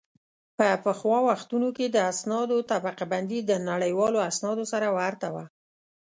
په پخوا وختونو کې د اسنادو طبقه بندي د نړیوالو اسنادو سره ورته وه